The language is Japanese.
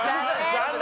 残念。